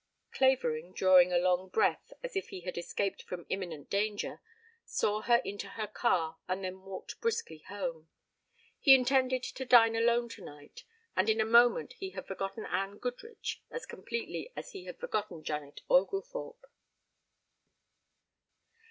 Clavering, drawing a long breath as if he had escaped from imminent danger, saw her into her car and then walked briskly home. He intended to dine alone tonight. And in a moment he had forgotten Anne Goodrich as completely as he had forgotten Janet Oglethorpe.